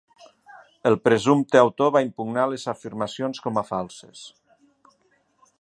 El presumpte autor va impugnar les afirmacions com a falses.